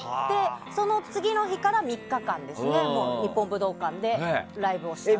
その次の日から３日間、日本武道館でライブをした。